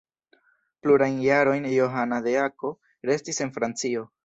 Plurajn jarojn Johana de Akko restis en Francio.